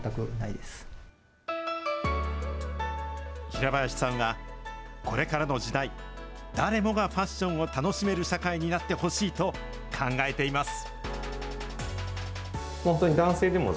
平林さんは、これからの時代、誰もがファッションを楽しめる社会になってほしいと考えています。